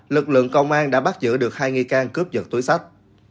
lực lượng công an đã bắt giữ được hai nghi can cướp giật túi sách